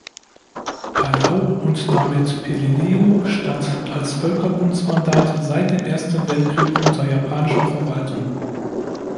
Palau und damit Peleliu stand als Völkerbundsmandat seit dem Ersten Weltkrieg unter japanischer Verwaltung.